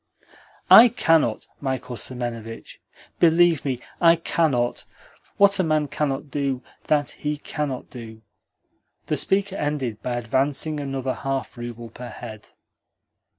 "I cannot, Michael Semenovitch. Believe me, I cannot. What a man cannot do, that he cannot do." The speaker ended by advancing another half rouble per head.